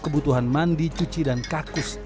kebutuhan mandi cuci dan kakus